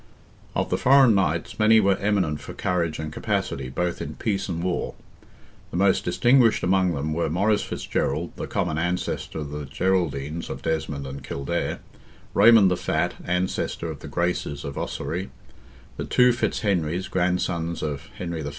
Of the foreign knights many were eminent for courage and capacity, both in peace and war. The most distinguished among them were Maurice Fitzgerald, the common ancestor of the Geraldines of Desmond and Kildare; Raymond the Fat, ancestor of the Graces of Ossory; the two Fitz Henries, grandsons of Henry I.